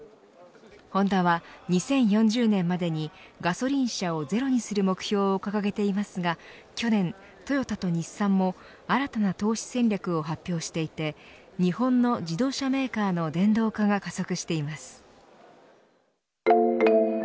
ホンダは、２０４０年までにガソリン車をゼロにする目標を掲げていますが去年、トヨタと日産も新たな投資戦略を発表していて日本の自動車メーカーの電動化が加速しています。